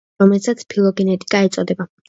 რომელსაც ფილოგენეტიკა ეწოდება.